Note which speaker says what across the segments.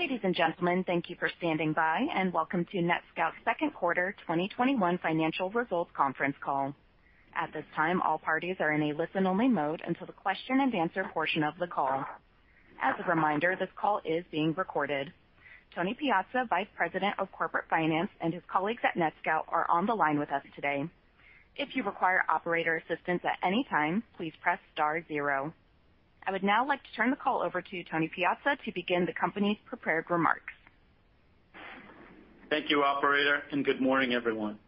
Speaker 1: Ladies and gentlemen, thank you for standing by, and welcome to NETSCOUT's second quarter 2021 financial results conference call. At this time, all parties are in a listen-only mode until the question and answer portion of the call. As a reminder, this call is being recorded. Tony Piazza, Vice President of Corporate Finance, and his colleagues at NETSCOUT are on the line with us today. If you require operator assistance at any time, please press star zero. I would now like to turn the call over to Tony Piazza to begin the company's prepared remarks.
Speaker 2: Thank you, operator. Good morning, everyone.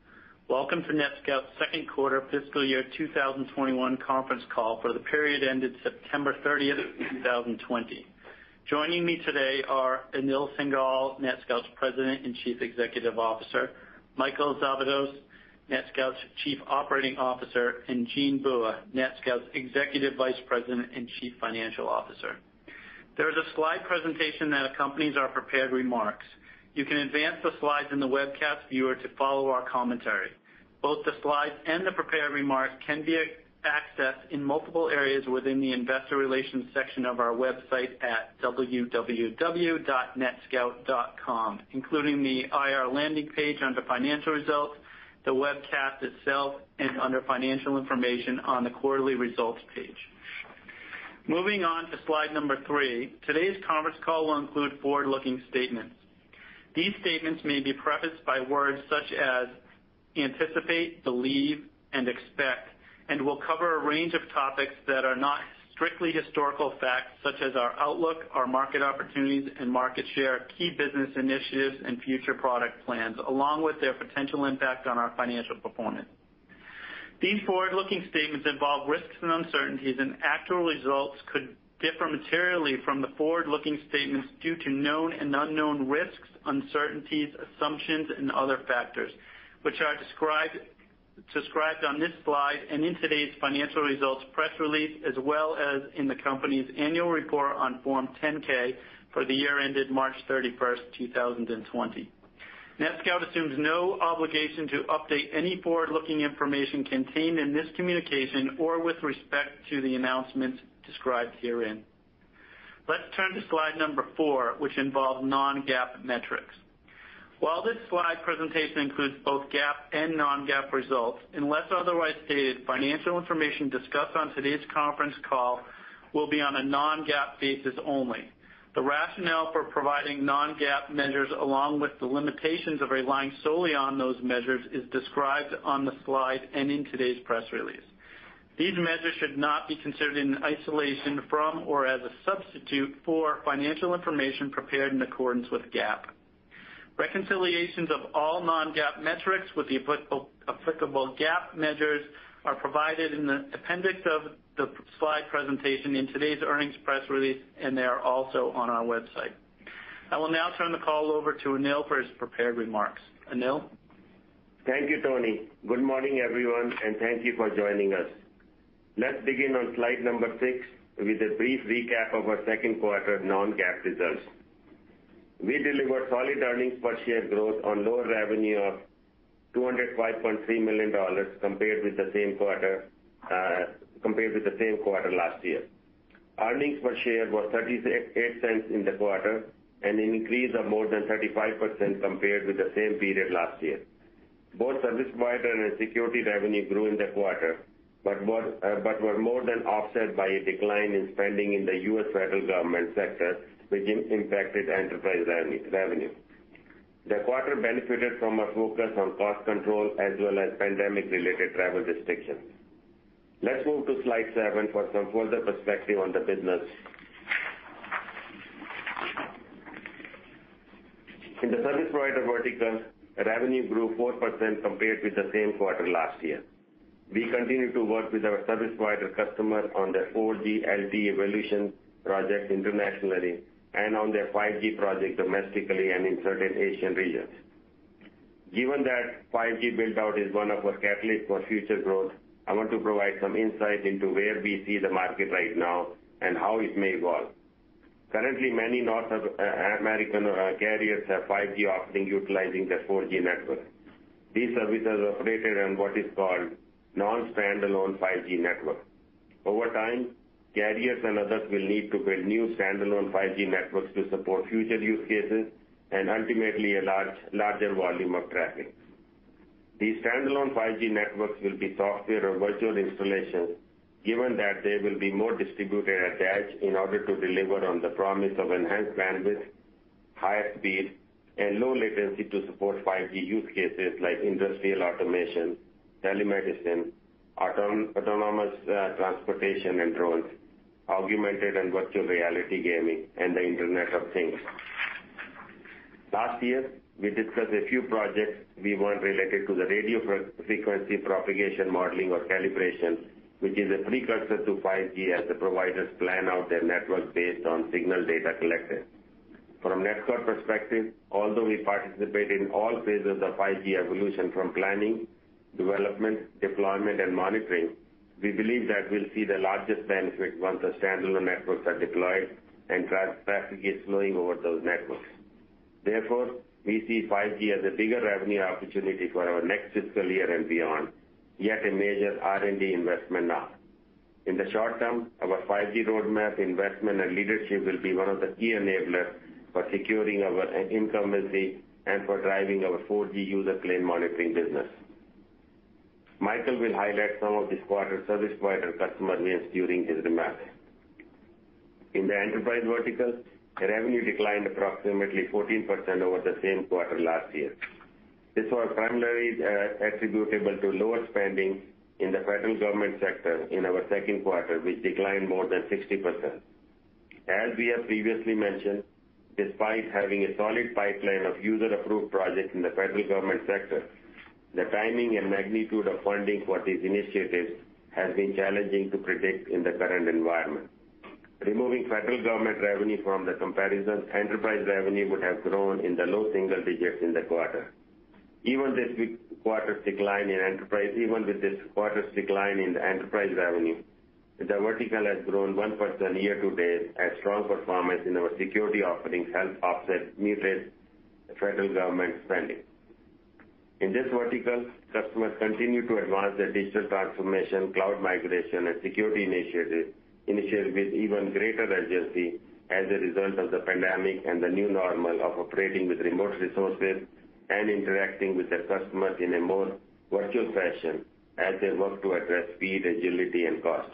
Speaker 2: Welcome to NETSCOUT's second quarter fiscal year 2021 conference call for the period ended September 30th, 2020. Joining me today are Anil Singhal, NETSCOUT's President and Chief Executive Officer; Michael Szabados, NETSCOUT's Chief Operating Officer; and Jean Bua, NETSCOUT's Executive Vice President and Chief Financial Officer. There is a slide presentation that accompanies our prepared remarks. You can advance the slides in the webcast viewer to follow our commentary. Both the slides and the prepared remarks can be accessed in multiple areas within the investor relations section of our website at www.netscout.com, including the IR landing page under financial results, the webcast itself, and under financial information on the quarterly results page. Moving on to slide number three. Today's conference call will include forward-looking statements. These statements may be prefaced by words such as anticipate, believe, and expect, and will cover a range of topics that are not strictly historical facts, such as our outlook, our market opportunities and market share, key business initiatives, and future product plans, along with their potential impact on our financial performance. These forward-looking statements involve risks and uncertainties, and actual results could differ materially from the forward-looking statements due to known and unknown risks, uncertainties, assumptions, and other factors which are described on this slide and in today's financial results press release, as well as in the company's annual report on Form 10-K for the year ended March 31st 2020. NETSCOUT assumes no obligation to update any forward-looking information contained in this communication or with respect to the announcements described herein. Let's turn to slide number four, which involves non-GAAP metrics. While this slide presentation includes both GAAP and non-GAAP results, unless otherwise stated, financial information discussed on today's conference call will be on a non-GAAP basis only. The rationale for providing non-GAAP measures, along with the limitations of relying solely on those measures, is described on the slide and in today's press release. These measures should not be considered in isolation from or as a substitute for financial information prepared in accordance with GAAP. Reconciliations of all non-GAAP metrics with the applicable GAAP measures are provided in the appendix of the slide presentation in today's earnings press release, and they are also on our website. I will now turn the call over to Anil for his prepared remarks. Anil?
Speaker 3: Thank you, Tony. Good morning, everyone, and thank you for joining us. Let's begin on slide number six with a brief recap of our second quarter non-GAAP results. We delivered solid earnings per share growth on lower revenue of $205.3 million compared with the same quarter last year. Earnings per share were $0.38 in the quarter, an increase of more than 35% compared with the same period last year. Both service provider and security revenue grew in the quarter, but were more than offset by a decline in spending in the U.S. federal government sector, which impacted enterprise revenue. The quarter benefited from a focus on cost control as well as pandemic-related travel restrictions. Let's move to slide seven for some further perspective on the business. In the service provider vertical, revenue grew 4% compared with the same quarter last year. We continue to work with our service provider customers on their 4G LTE evolution projects internationally and on their 5G projects domestically and in certain Asian regions. Given that 5G build-out is one of our catalysts for future growth, I want to provide some insight into where we see the market right now and how it may evolve. Currently, many North American carriers have 5G offerings utilizing their 4G networks. These services operate on what is called non-standalone 5G networks. Over time, carriers and others will need to build new standalone 5G networks to support future use cases and ultimately a larger volume of traffic. These standalone 5G networks will be software or virtual installations, given that they will be more distributed at the edge in order to deliver on the promise of enhanced bandwidth, higher speed, and low latency to support 5G use cases like industrial automation, telemedicine, autonomous transportation and drones, augmented and virtual reality gaming, and the Internet of Things. Last year, we discussed a few projects we won related to the radio frequency propagation modeling or calibration, which is a precursor to 5G as the providers plan out their network based on signal data collected. From NETSCOUT perspective, although we participate in all phases of 5G evolution from planning, development, deployment, and monitoring, we believe that we'll see the largest benefit once the standalone networks are deployed and traffic gets flowing over those networks. Therefore, we see 5G as a bigger revenue opportunity for our next fiscal year and beyond, yet a major R&D investment now. In the short term, our 5G roadmap investment and leadership will be one of the key enablers for securing our incumbency and for driving our 4G user plane monitoring business. Michael will highlight some of this quarter's service provider customer wins during his remarks. In the enterprise vertical, revenue declined approximately 14% over the same quarter last year. This was primarily attributable to lower spending in the federal government sector in our second quarter, which declined more than 60%. As we have previously mentioned, despite having a solid pipeline of user-approved projects in the federal government sector, the timing and magnitude of funding for these initiatives has been challenging to predict in the current environment. Removing federal government revenue from the comparison, enterprise revenue would have grown in the low single digits in the quarter. Even with this quarter's decline in the enterprise revenue, the vertical has grown 1% year-to-date as strong performance in our security offerings help offset muted federal government spending. In this vertical, customers continue to advance their digital transformation, cloud migration, and security initiatives with even greater urgency as a result of the pandemic and the new normal of operating with remote resources and interacting with their customers in a more virtual fashion, as they work to address speed, agility, and cost.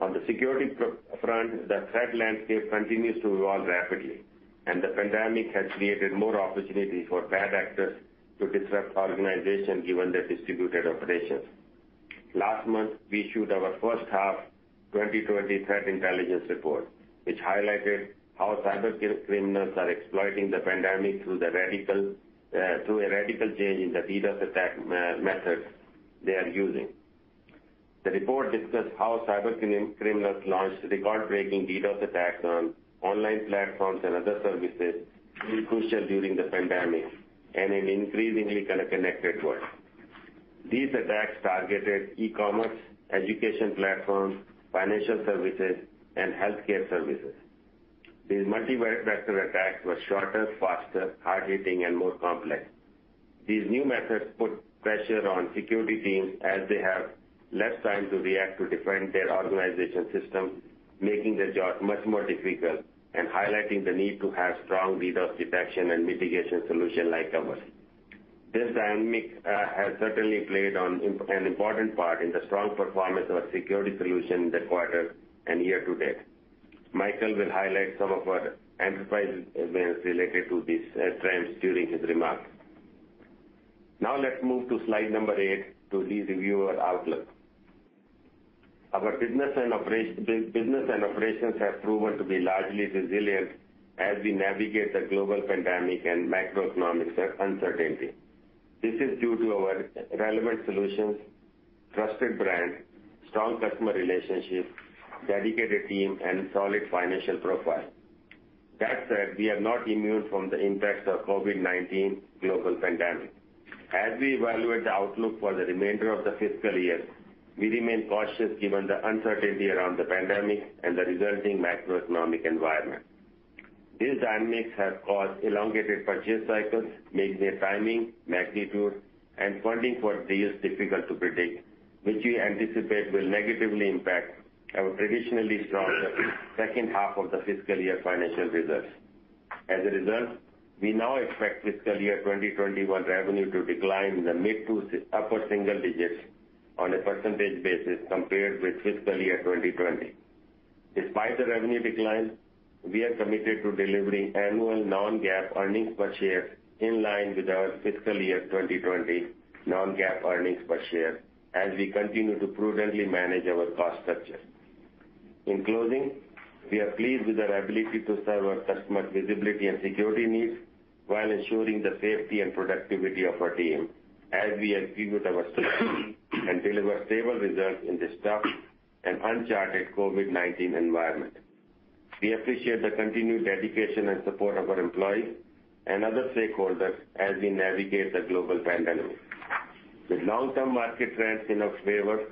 Speaker 3: On the security front, the threat landscape continues to evolve rapidly, and the pandemic has created more opportunities for bad actors to disrupt organizations, given their distributed operations. Last month, we issued our first half 2020 threat intelligence report, which highlighted how cyber criminals are exploiting the pandemic through a radical change in the DDoS attack methods they are using. The report discussed how cyber criminals launched record-breaking DDoS attacks on online platforms and other services, crucial during the pandemic and an increasingly connected world. These attacks targeted e-commerce, education platforms, financial services, and healthcare services. These multi-vector attacks were shorter, faster, hard-hitting, and more complex. These new methods put pressure on security teams as they have less time to react to defend their organization systems, making the job much more difficult and highlighting the need to have strong DDoS detection and mitigation solutions like ours. This dynamic has certainly played an important part in the strong performance of our security solution in the quarter and year-to-date. Michael will highlight some of our enterprise wins related to these trends during his remarks. Now let's move to slide number eight to re-review our outlook. Our business and operations have proven to be largely resilient as we navigate the global pandemic and macroeconomic uncertainty. This is due to our relevant solutions, trusted brand, strong customer relationships, dedicated team, and solid financial profile. That said, we are not immune from the impacts of COVID-19 global pandemic. As we evaluate the outlook for the remainder of the fiscal year, we remain cautious given the uncertainty around the pandemic and the resulting macroeconomic environment. These dynamics have caused elongated purchase cycles, making the timing, magnitude, and funding for deals difficult to predict, which we anticipate will negatively impact our traditionally strong second half of the fiscal year financial results. As a result, we now expect fiscal year 2021 revenue to decline in the mid to upper single digits on a percentage basis compared with fiscal year 2020. Despite the revenue decline, we are committed to delivering annual non-GAAP earnings per share in line with our fiscal year 2020 non-GAAP earnings per share, as we continue to prudently manage our cost structure. In closing, we are pleased with our ability to serve our customers' visibility and security needs while ensuring the safety and productivity of our team as we execute our strategy and deliver stable results in this tough and uncharted COVID-19 environment. We appreciate the continued dedication and support of our employees and other stakeholders as we navigate the global pandemic. With long-term market trends in our favor,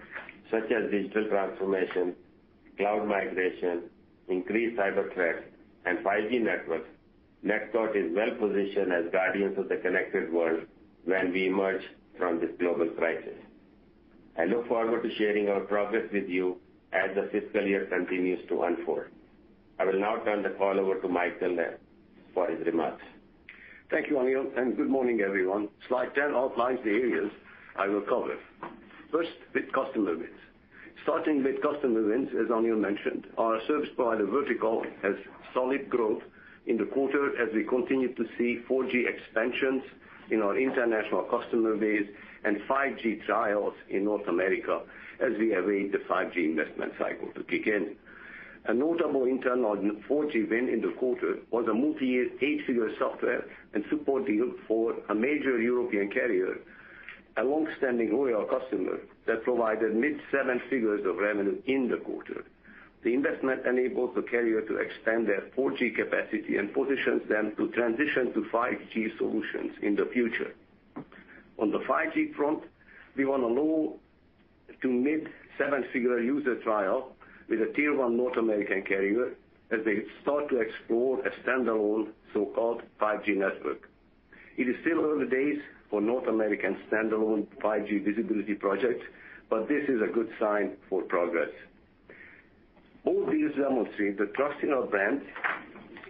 Speaker 3: such as digital transformation, cloud migration, increased cyber threats, and 5G networks, NETSCOUT is well-positioned as guardians of the connected world when we emerge from this global crisis. I look forward to sharing our progress with you as the fiscal year continues to unfold. I will now turn the call over to Michael for his remarks.
Speaker 4: Thank you, Anil. Good morning, everyone. Slide 10 outlines the areas I will cover. First, with customer wins. Starting with customer wins, as Anil mentioned, our service provider vertical has solid growth in the quarter as we continue to see 4G expansions in our international customer base and 5G trials in North America as we await the 5G investment cycle to kick in. A notable internal 4G win in the quarter was a multi-year, eight-figure software and support deal for a major European carrier, a long-standing loyal customer, that provided mid-seven figures of revenue in the quarter. The investment enables the carrier to extend their 4G capacity and positions them to transition to 5G solutions in the future. On the 5G front, we won a low- to mid-seven-figure user trial with a Tier 1 North American carrier as they start to explore a standalone so-called 5G network. It is still early days for North American standalone 5G visibility projects, but this is a good sign for progress. All these demonstrate the trust in our brand,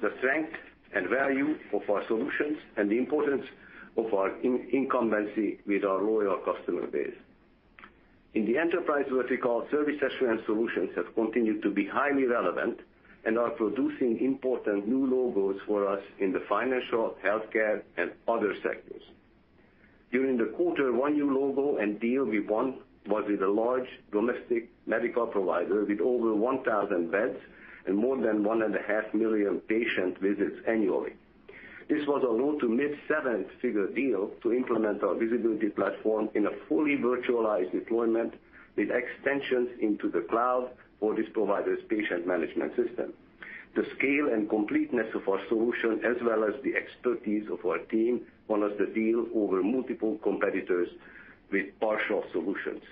Speaker 4: the strength and value of our solutions, and the importance of our incumbency with our loyal customer base. In the enterprise vertical, service assurance solutions have continued to be highly relevant and are producing important new logos for us in the financial, healthcare, and other sectors. During the quarter, one new logo and deal we won was with a large domestic medical provider with over 1,000 beds and more than 1.5 million patient visits annually. This was a low- to mid-seven-figure deal to implement our visibility platform in a fully virtualized deployment with extensions into the cloud for this provider's patient management system. The scale and completeness of our solution as well as the expertise of our team won us the deal over multiple competitors with partial solutions.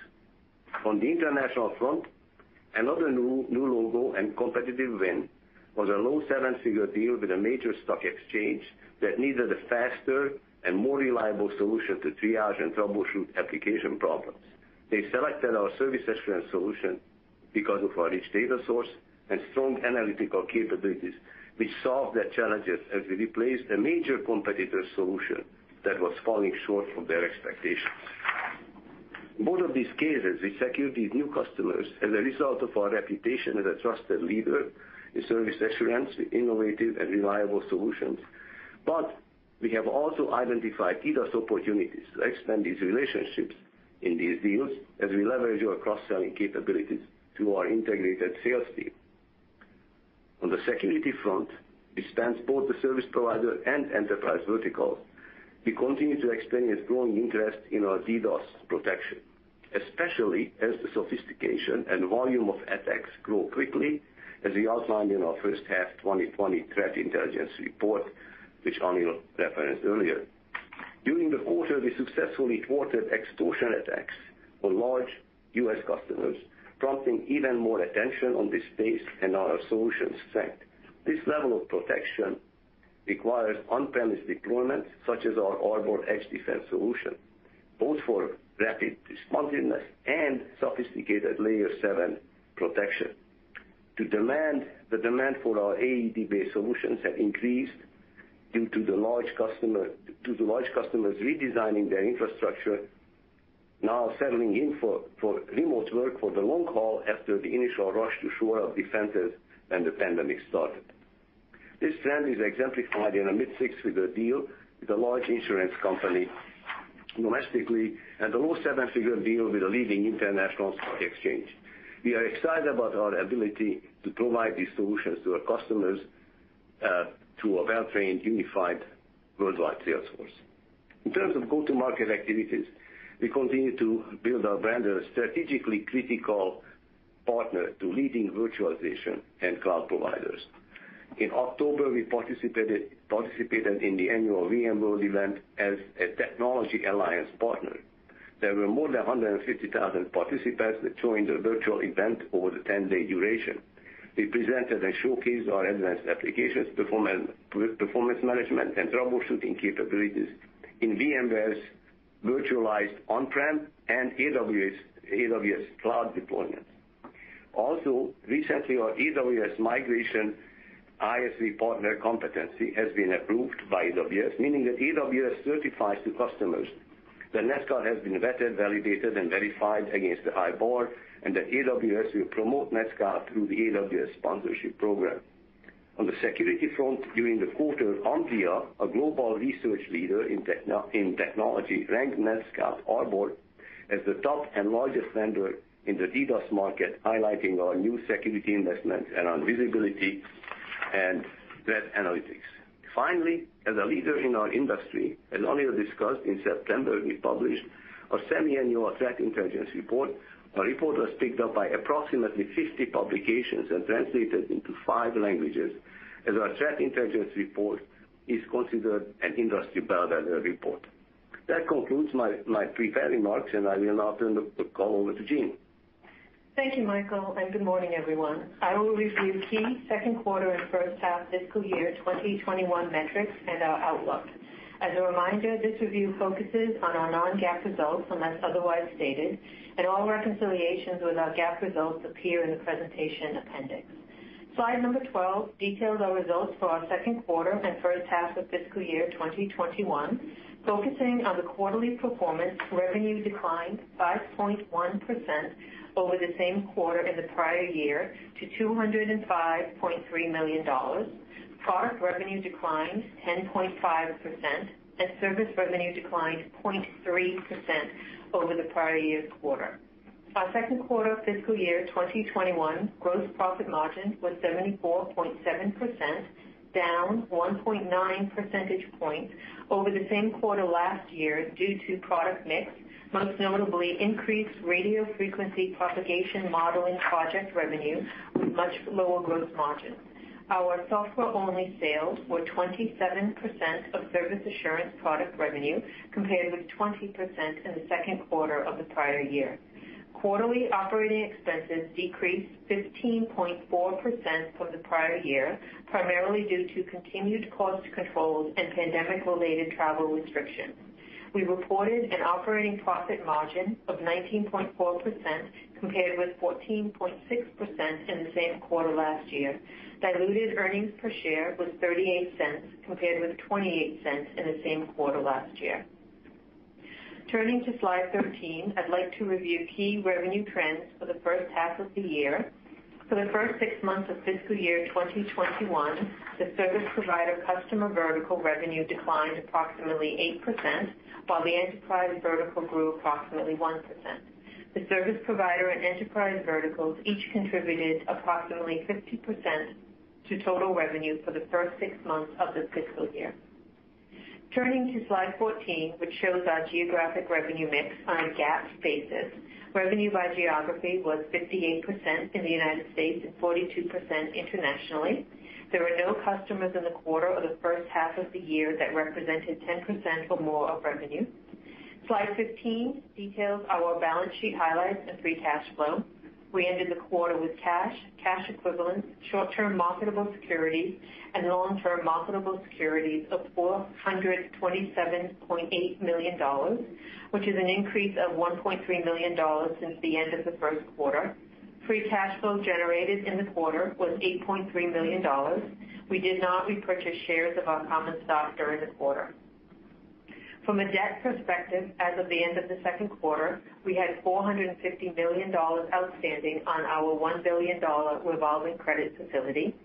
Speaker 4: On the international front, another new logo and competitive win was a low seven-figure deal with a major stock exchange that needed a faster and more reliable solution to triage and troubleshoot application problems. They selected our service assurance solution because of our rich data source and strong analytical capabilities, which solved their challenges as we replaced a major competitor's solution that was falling short of their expectations. In both of these cases, we secured these new customers as a result of our reputation as a trusted leader in service assurance with innovative and reliable solutions. We have also identified DDoS opportunities to expand these relationships in these deals as we leverage our cross-selling capabilities through our integrated sales team. On the security front, which spans both the service provider and enterprise verticals, we continue to experience growing interest in our DDoS protection, especially as the sophistication and volume of attacks grow quickly as we outlined in our first half 2020 threat intelligence report, which Anil referenced earlier. During the quarter, we successfully thwarted extortion attacks on large U.S. customers, prompting even more attention on this space and on our solutions' effect. This level of protection requires on-premise deployment, such as our Arbor Edge Defense solution, both for rapid responsiveness and sophisticated Layer 7 protection. The demand for our AED-based solutions have increased due to the large customers redesigning their infrastructure, now settling in for remote work for the long haul after the initial rush to shore up defenses when the pandemic started. This trend is exemplified in a mid-six-figure deal with a large insurance company domestically and a low seven-figure deal with a leading international stock exchange. We are excited about our ability to provide these solutions to our customers through a well-trained, unified worldwide sales force. In terms of go-to-market activities, we continue to build our brand as a strategically critical partner to leading virtualization and cloud providers. In October, we participated in the annual VMworld event as a technology alliance partner. There were more than 150,000 participants that joined the virtual event over the 10-day duration. We presented and showcased our advanced applications performance management, and troubleshooting capabilities in VMware's virtualized on-prem and AWS cloud deployments. Also recently, our AWS Migration ISV Partner Competency has been approved by AWS, meaning that AWS certifies to customers that NETSCOUT has been vetted, validated, and verified against the high bar, and that AWS will promote NETSCOUT through the AWS sponsorship program. On the security front, during the quarter, Omdia, a global research leader in technology, ranked NETSCOUT Arbor as the top and largest vendor in the DDoS market, highlighting our new security investments and our visibility and threat analytics. Finally, as a leader in our industry, as Anil discussed, in September, we published our semiannual Threat Intelligence Report. Our report was picked up by approximately 50 publications and translated into five languages, as our Threat Intelligence Report is considered an industry bellwether report. That concludes my prepared remarks, and I will now turn the call over to Jean.
Speaker 5: Thank you, Michael, and good morning, everyone. I will review key second quarter and first half fiscal year 2021 metrics and our outlook. As a reminder, this review focuses on our non-GAAP results, unless otherwise stated, and all reconciliations with our GAAP results appear in the presentation appendix. Slide number 12 details our results for our second quarter and first half of fiscal year 2021. Focusing on the quarterly performance, revenue declined 5.1% over the same quarter in the prior year to $205.3 million. Product revenue declined 10.5%, and service revenue declined 0.3% over the prior year's quarter. Our second quarter fiscal year 2021 gross profit margin was 74.7%, down 1.9 percentage points over the same quarter last year due to product mix, most notably increased radio frequency propagation modeling project revenue with much lower gross margin. Our software-only sales were 27% of service assurance product revenue, compared with 20% in the second quarter of the prior year. Quarterly operating expenses decreased 15.4% from the prior year, primarily due to continued cost controls and pandemic-related travel restrictions. We reported an operating profit margin of 19.4%, compared with 14.6% in the same quarter last year. Diluted earnings per share was $0.38, compared with $0.28 in the same quarter last year. Turning to slide 13, I'd like to review key revenue trends for the first half of the year. For the first six months of fiscal year 2021, the service provider customer vertical revenue declined approximately 8%, while the enterprise vertical grew approximately 1%. The service provider and enterprise verticals each contributed approximately 50% to total revenue for the first six months of this fiscal year. Turning to slide 14, which shows our geographic revenue mix on a GAAP basis. Revenue by geography was 58% in the United States and 42% internationally. There were no customers in the quarter or the first half of the year that represented 10% or more of revenue. Slide 15 details our balance sheet highlights and free cash flow. We ended the quarter with cash equivalents, short-term marketable securities, and long-term marketable securities of $427.8 million, which is an increase of $1.3 million since the end of the first quarter. Free cash flow generated in the quarter was $8.3 million. We did not repurchase shares of our common stock during the quarter. From a debt perspective, as of the end of the second quarter, we had $450 million outstanding on our $1 billion revolving credit facility.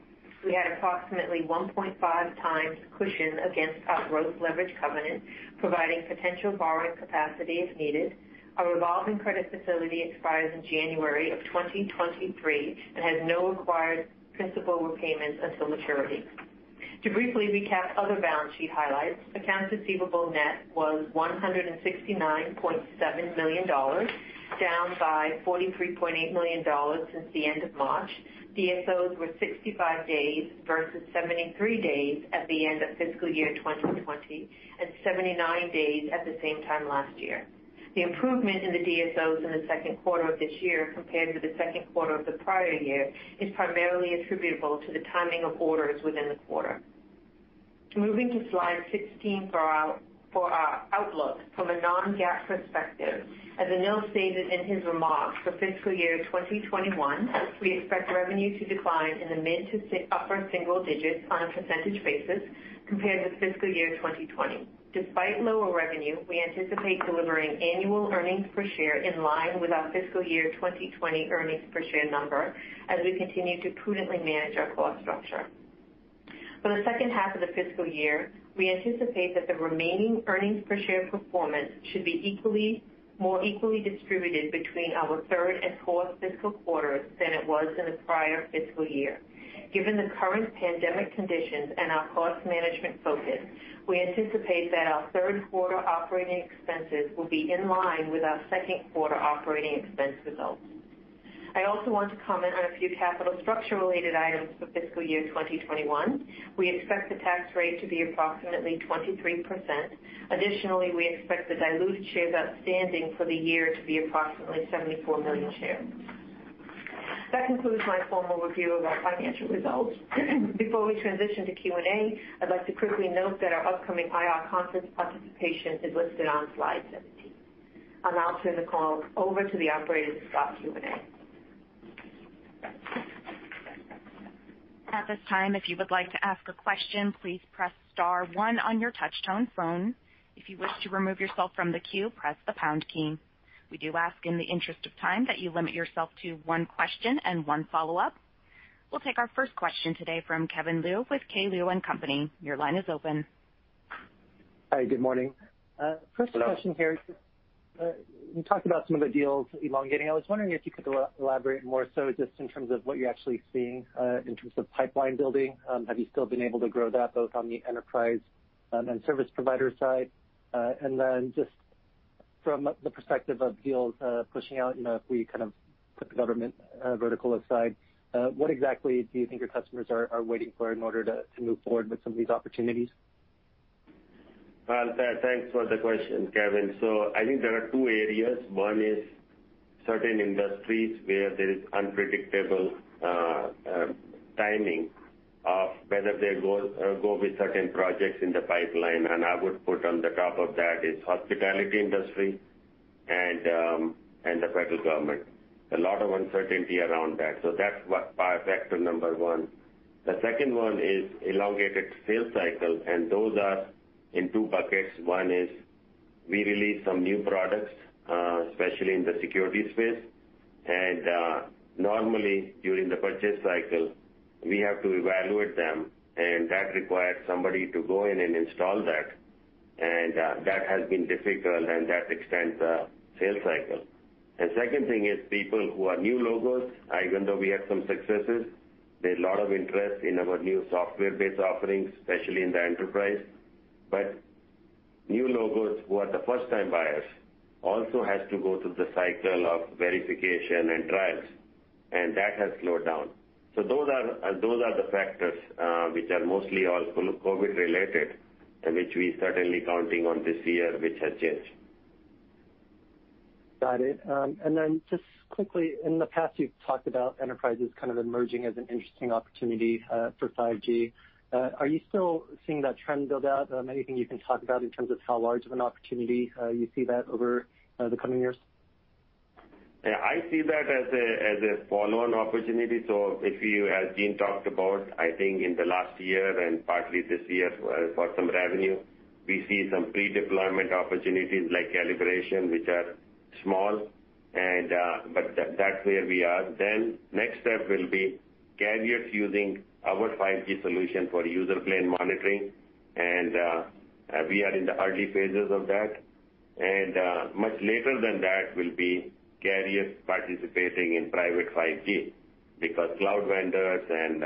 Speaker 5: We had approximately 1.5x cushion against our gross leverage covenant, providing potential borrowing capacity if needed. Our revolving credit facility expires in January of 2023 and has no required principal repayments until maturity. To briefly recap other balance sheet highlights, accounts receivable net was $169.7 million, down by $43.8 million since the end of March. DSOs were 65 days, versus 73 days at the end of FY 2020, and 79 days at the same time last year. The improvement in the DSOs in the second quarter of this year compared to the second quarter of the prior year is primarily attributable to the timing of orders within the quarter. Moving to slide 16 for our outlook from a non-GAAP perspective. As Anil stated in his remarks, for fiscal year 2021, we expect revenue to decline in the mid to upper single digits on a percentage basis compared with fiscal year 2020. Despite lower revenue, we anticipate delivering annual earnings per share in line with our fiscal year 2020 earnings per share number, as we continue to prudently manage our cost structure. For the second half of the fiscal year, we anticipate that the remaining earnings per share performance should be more equally distributed between our third and fourth fiscal quarters than it was in the prior fiscal year. Given the current pandemic conditions and our cost management focus, we anticipate that our third quarter operating expenses will be in line with our second quarter operating expense results. I also want to comment on a few capital structure-related items for fiscal year 2021. We expect the tax rate to be approximately 23%. Additionally, we expect the diluted shares outstanding for the year to be approximately 74 million shares. That concludes my formal review of our financial results. Before we transition to Q&A, I'd like to quickly note that our upcoming IR conference participation is listed on slide 17. I'll now turn the call over to the operator to start Q&A.
Speaker 1: At this time, if you would like to ask a question, please press star one on your Touch-Tone phone. If you wish to remove yourself from the queue, press the pound key. We do ask in the interest of time that you limit yourself to one question and one follow-up. We'll take our first question today from Kevin Liu with K. Liu & Company.
Speaker 6: Hi, good morning.
Speaker 3: Hello.
Speaker 6: First question here. You talked about some of the deals elongating. I was wondering if you could elaborate more so just in terms of what you're actually seeing in terms of pipeline building. Have you still been able to grow that both on the enterprise and service provider side? Then just from the perspective of deals pushing out, if we put the government vertical aside, what exactly do you think your customers are waiting for in order to move forward with some of these opportunities?
Speaker 3: Well, thanks for the question, Kevin. I think there are two areas. One is certain industries where there is unpredictable timing of whether they go with certain projects in the pipeline, and I would put on the top of that is hospitality industry and the federal government. A lot of uncertainty around that. That's factor number one. The second one is elongated sales cycle, and those are in two buckets. One is we release some new products, especially in the security space. Normally during the purchase cycle, we have to evaluate them, and that requires somebody to go in and install that. That has been difficult, and it extends the sales cycle. The second thing is people who are new logos. Even though we have some successes, there's a lot of interest in our new software-based offerings, especially in the enterprise. New logos who are the first-time buyers also have to go through the cycle of verification and trials, and that has slowed down. Those are the factors, which are mostly all COVID related, and which we certainly counting on this year, which has changed.
Speaker 6: Got it. Then just quickly, in the past, you've talked about enterprises kind of emerging as an interesting opportunity for 5G. Are you still seeing that trend build out? Anything you can talk about in terms of how large of an opportunity you see that over the coming years?
Speaker 3: Yeah, I see that as a follow-on opportunity. If you, as Jean talked about, I think in the last year and partly this year for some revenue, we see some pre-deployment opportunities like calibration, which are small, but that's where we are. Then next step will be carriers using our 5G solution for user plane monitoring, and we are in the early phases of that. Much later than that will be carriers participating in private 5G because cloud vendors and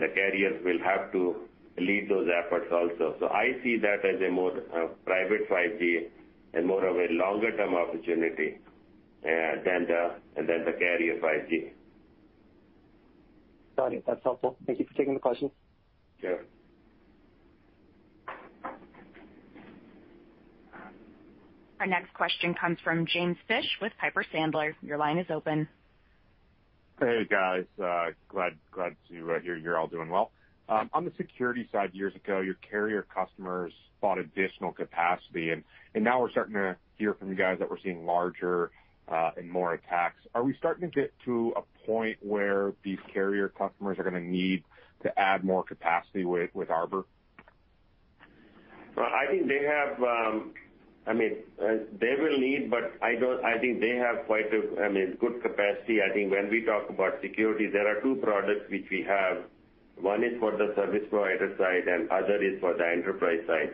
Speaker 3: the carriers will have to lead those efforts also. I see that as a more private 5G and more of a longer-term opportunity than the carrier 5G.
Speaker 6: Got it. That's helpful. Thank you for taking the question.
Speaker 3: Sure.
Speaker 1: Our next question comes from James Fish with Piper Sandler. Your line is open.
Speaker 7: Hey, guys. Glad to hear you're all doing well. On the security side, years ago, your carrier customers bought additional capacity, and now we're starting to hear from you guys that we're seeing larger and more attacks. Are we starting to get to a point where these carrier customers are going to need to add more capacity with Arbor?
Speaker 3: I think they will need, but I think they have quite a good capacity. I think when we talk about security, there are two products which we have. One is for the service provider side, and other is for the enterprise side.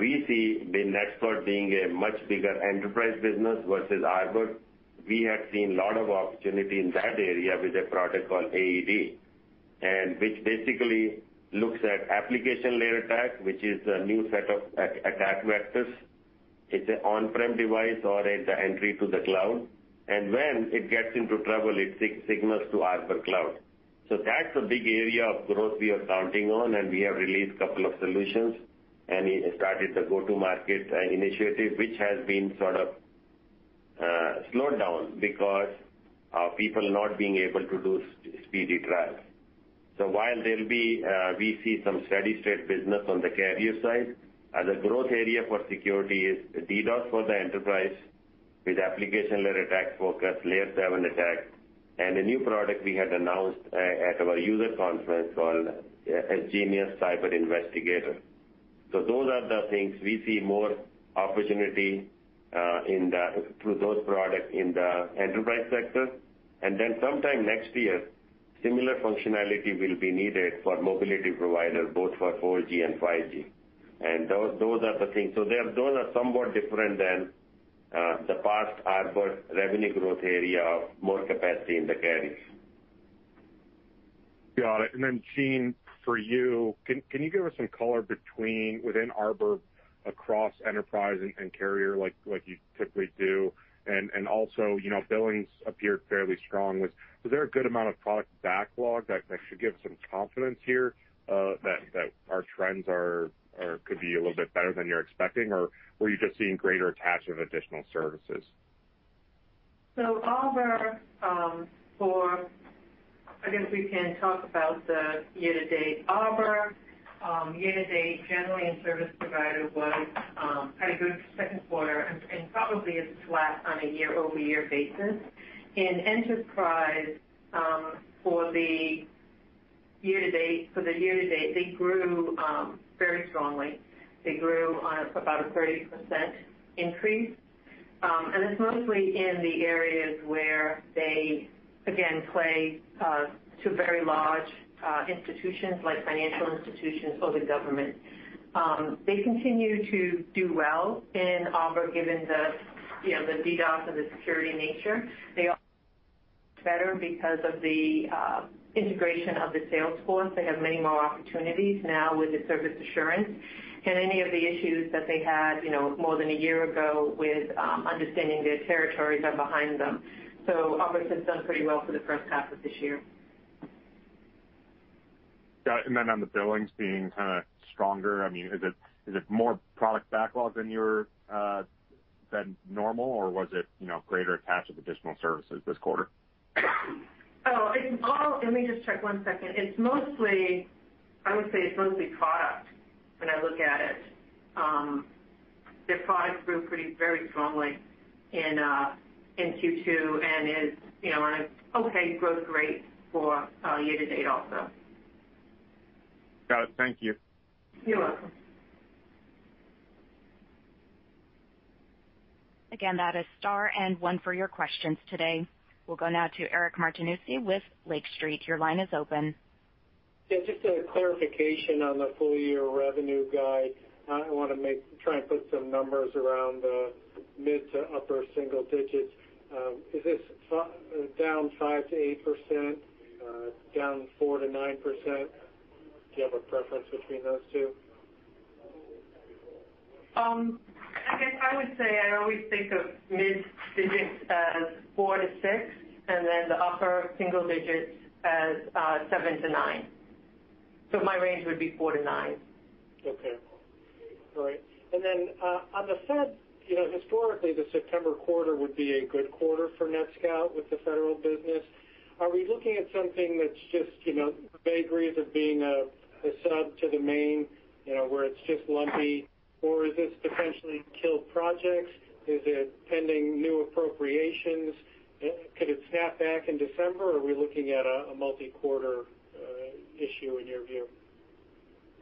Speaker 3: We see the NETSCOUT being a much bigger enterprise business versus Arbor. We have seen lot of opportunity in that area with a product called AED, and which basically looks at application layer attack, which is a new set of attack vectors. It's an on-prem device or a entry to the cloud, and when it gets into trouble, it signals to Arbor Cloud. That's a big area of growth we are counting on, and we have released couple of solutions and started the go-to-market initiative, which has been sort of slowed down because our people not being able to do speedy trials. While we see some steady state business on the carrier side, the growth area for security is DDoS for the enterprise with application layer attack focus, Layer 7 attack, and a new product we had announced at our user conference called nGenius Cyber Investigator. Those are the things we see more opportunity through those products in the enterprise sector. Sometime next year, similar functionality will be needed for mobility provider, both for 4G and 5G. Those are the things. Those are somewhat different than the past Arbor revenue growth area of more capacity in the carriers.
Speaker 7: Got it. Jean, for you, can you give us some color between within Arbor, across enterprise and carrier like you typically do? Billings appeared fairly strong. Was there a good amount of product backlog that should give some confidence here that our trends could be a little bit better than you're expecting, or were you just seeing greater attach of additional services?
Speaker 5: Arbor for, I guess we can talk about the year-to-date. Arbor year-to-date generally in service provider had a good second quarter and probably is flat on a year-over-year basis. In enterprise, for the year-to-date, they grew very strongly. They grew on about a 30% increase. It's mostly in the areas where they, again, play to very large institutions like financial institutions or the government. They continue to do well in Arbor, given the DDoS and the security nature. They are better because of the integration of the sales force. They have many more opportunities now with the service assurance. Any of the issues that they had more than a year ago with understanding their territories are behind them. Arbor has done pretty well for the first half of this year.
Speaker 7: Got it. On the billings being stronger, is it more product backlog than normal, or was it greater attach of additional services this quarter?
Speaker 5: Let me just check one second. I would say it's mostly product when I look at it. Their product grew very strongly in Q2 and is on a okay growth rate for year-to-date also.
Speaker 7: Got it. Thank you.
Speaker 5: You're welcome.
Speaker 1: Again, that is star and one for your questions today. We'll go now to Eric Martinuzzi with Lake Street. Your line is open.
Speaker 8: Just a clarification on the full year revenue guide. I want to try and put some numbers around the mid to upper single digits. Is this down 5%-8%, down 4%-9%? Do you have a preference between those two?
Speaker 5: I would say I always think of mid-digits as four to six, and then the upper single digits as seven to nine. My range would be four to nine.
Speaker 8: Okay. All right. On the Fed, historically, the September quarter would be a good quarter for NETSCOUT with the federal business. Are we looking at something that's just the vagaries of being a sub to the main, where it's just lumpy, or is this potentially killed projects? Is it pending new appropriations? Could it snap back in December, or are we looking at a multi-quarter issue in your view?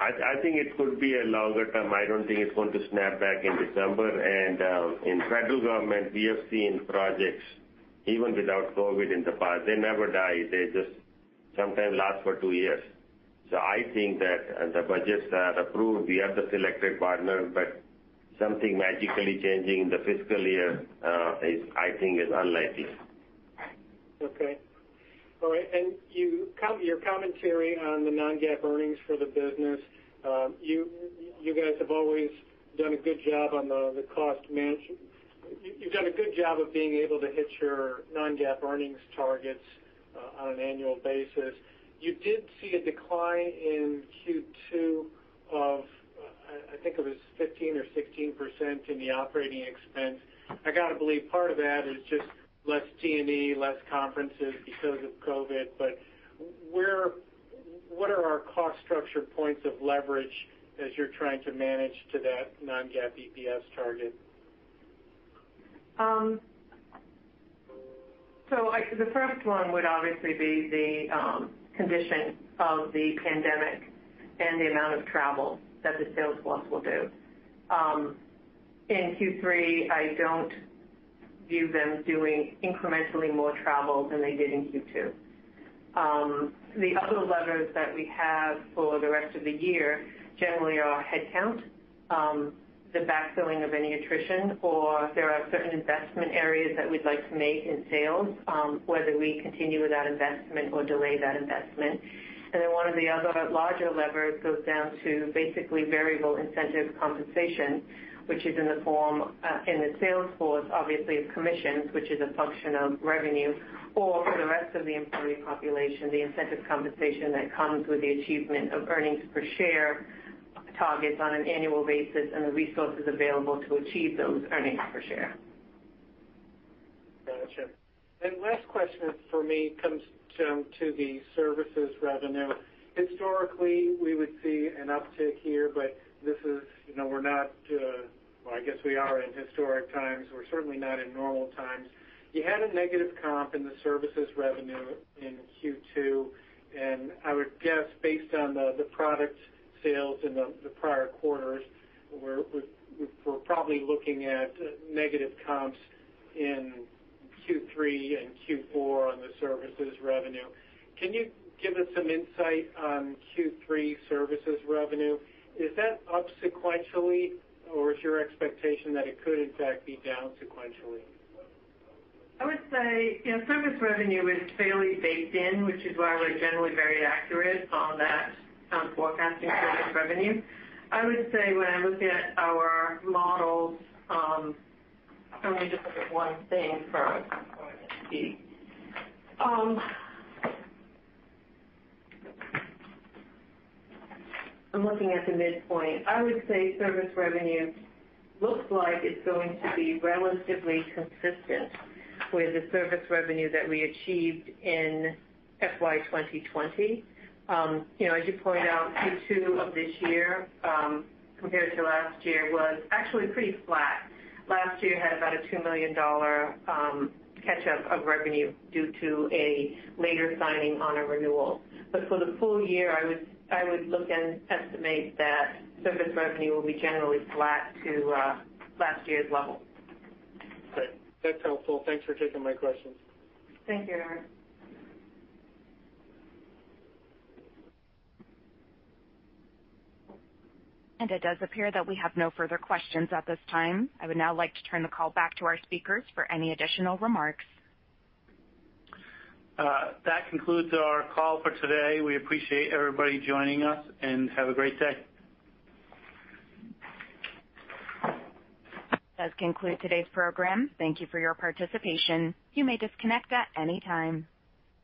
Speaker 3: I think it could be a longer term. I don't think it's going to snap back in December. In federal government, we have seen projects even without COVID in the past. They never die. They just sometimes last for two years. I think that the budgets are approved. We are the selected partner, but something magically changing in the fiscal year, I think is unlikely.
Speaker 8: Okay. All right. Your commentary on the non-GAAP earnings for the business. You guys have always done a good job of being able to hit your non-GAAP earnings targets on an annual basis. You did see a decline in Q2 of, I think it was 15% or 16% in the operating expense. I got to believe part of that is just less T&E, less conferences because of COVID, but what are our cost structure points of leverage as you're trying to manage to that non-GAAP EPS target?
Speaker 5: The first one would obviously be the condition of the pandemic and the amount of travel that the sales force will do. In Q3, I don't view them doing incrementally more travel than they did in Q2. The other levers that we have for the rest of the year generally are headcount, the backfilling of any attrition, or if there are certain investment areas that we'd like to make in sales, whether we continue with that investment or delay that investment. One of the other larger levers goes down to basically variable incentive compensation, which is in the form in the sales force, obviously, is commissions, which is a function of revenue, or for the rest of the employee population, the incentive compensation that comes with the achievement of earnings per share targets on an annual basis and the resources available to achieve those earnings per share.
Speaker 8: Got you. Last question for me comes down to the services revenue. Historically, we would see an uptick here, we are in historic times. We're certainly not in normal times. You had a negative comp in the services revenue in Q2, and I would guess based on the product sales in the prior quarters, we're probably looking at negative comps in Q3 and Q4 on the services revenue. Can you give us some insight on Q3 services revenue? Is that up sequentially, or is your expectation that it could in fact be down sequentially?
Speaker 5: I would say, service revenue is fairly baked in, which is why we're generally very accurate on that forecasting service revenue. I would say when I look at our models, let me just look at one thing first. I'm looking at the midpoint. I would say service revenue looks like it's going to be relatively consistent with the service revenue that we achieved in FY 2020. As you point out, Q2 of this year compared to last year was actually pretty flat. Last year had about a $2 million catch-up of revenue due to a later signing on a renewal. For the full year, I would look and estimate that service revenue will be generally flat to last year's level.
Speaker 8: Great. That's helpful. Thanks for taking my questions.
Speaker 5: Thank you, Eric.
Speaker 1: It does appear that we have no further questions at this time. I would now like to turn the call back to our speakers for any additional remarks.
Speaker 2: That concludes our call for today. We appreciate everybody joining us, and have a great day.
Speaker 1: That concludes today's program. Thank you for your participation. You may disconnect at any time.